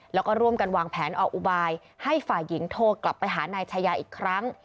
แล้วก็ร่วมกันวางแผนออกอุบายให้ฝ่ายหญิงโทรกลับไปหานายชายาอีกครั้ง